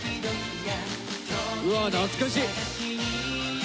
うわ懐かしい！